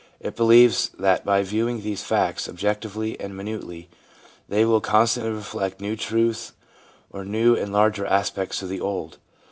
It believes that by viewing these facts objectively and minutely they will constantly reflect new truth or new and larger aspects of the old.